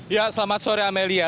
ya selamat sore amelia